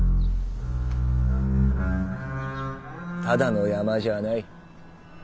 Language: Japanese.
ただの山じゃあない。